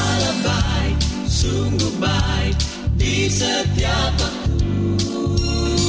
alam baik sungguh baik di setiap waktu